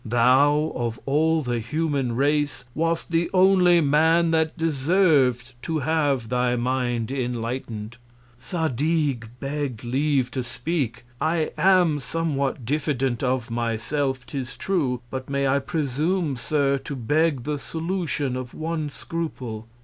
Thou, of all the human Race, wast the only Man that deserv'd to have thy Mind enlighten'd. Zadig, begg'd Leave to speak. I am somewhat diffident of myself, 'tis true; but may I presume, Sir, to beg the Solution of one Scruple?